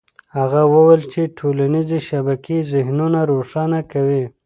هغه وویل چې ټولنيزې شبکې ذهنونه روښانه کوي.